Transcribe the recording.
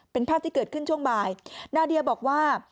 เป็นภาพที่เกิดขึ้นช่วงบ่ายนาเดียบอกว่า